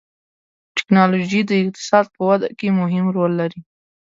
ټکنالوجي د اقتصاد په وده کې مهم رول لري.